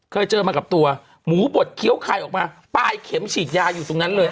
เคยเจอมากับตัวหมูบดเคี้ยวไข่ออกมาปลายเข็มฉีดยาอยู่ตรงนั้นเลย